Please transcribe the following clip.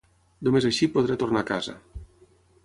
Només així podré tornar a casa.